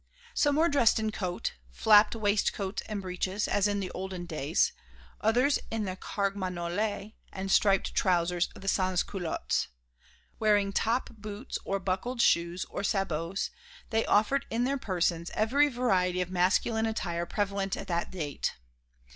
Some were dressed in coat, flapped waistcoat and breeches, as in olden days, others in the carmagnole and striped trousers of the sansculottes. Wearing top boots or buckled shoes or sabots, they offered in their persons every variety of masculine attire prevalent at that date.